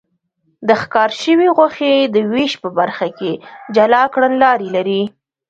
د ښکار شوې غوښې د وېش په برخه کې جلا کړنلارې لري.